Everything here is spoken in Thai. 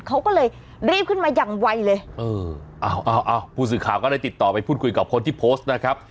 เขาก็เลยรีบขึ้นมาอย่างไวเลยเออเอาผู้สื่อข่าวก็เลยติดต่อไปพูดคุยกับคนที่โพสต์นะครับ